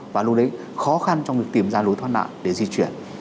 và lúc đấy khó khăn trong việc tìm ra lối thoát nạn để di chuyển